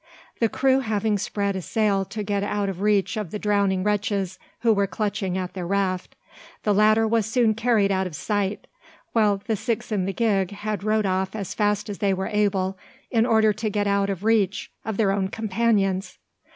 The crew having spread a sail to get out of reach of the drowning wretches who were clutching at their raft, the latter was soon carried out of sight; while the six in the gig had rowed off as fast as they were able, in order to get out of reach of their own companions!